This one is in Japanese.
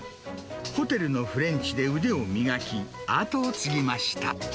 ホテルのフレンチで腕を磨き、後を継ぎました。